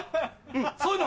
うんそういうの。